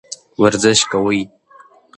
ورزش کوئ.